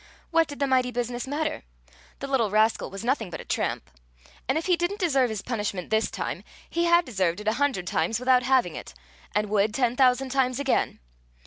What did the mighty business matter! The little rascal was nothing but a tramp; and if he didn't deserve his punishment this time, he had deserved it a hundred times without having it, and would ten thousand times again.